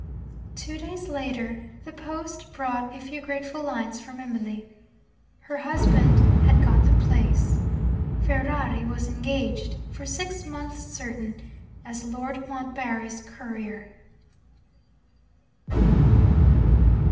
Two days later, the post brought a few grateful lines from Emily. Her husband had got the place. Ferrari was engaged, for six months certain, as Lord Montbarry's courier.